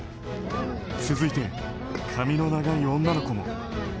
続いて、髪の長い女の子も。